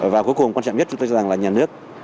và cuối cùng quan trọng nhất chúng tôi cho rằng là nhà nước